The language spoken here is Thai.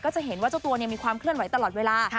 จะเห็นว่าเจ้าตัวมีความเคลื่อนไหวตลอดเวลา